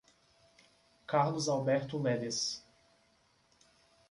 Carlos Alberto Leles